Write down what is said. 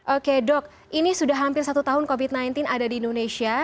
oke dok ini sudah hampir satu tahun covid sembilan belas ada di indonesia